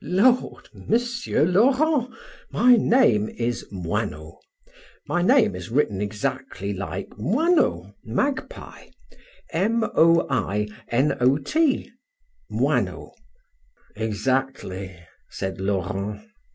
"Lord, Monsieur Laurent, my name is Moinot. My name is written exactly like Moineau, magpie: M o i n o t, Moinot." "Exactly," said Laurent.